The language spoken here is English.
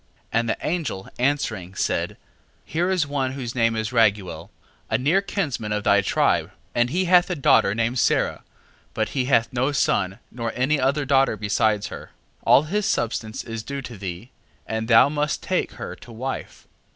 6:11. And the angel answering, said: Here is one whose name is Raguel, a near kinsman of thy tribe, and he hath a daughter named Sara, but he hath no son nor any other daughter beside her. 6:12. All his substance is due to thee, and thou must take her to wife.